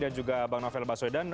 dan juga bang novel baswedan